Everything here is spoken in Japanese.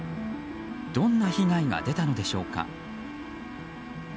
どんな被害が出たのでしょうか。